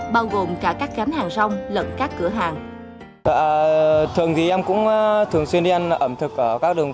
bao gồm cả các cánh hàng rong lẫn các cửa hàng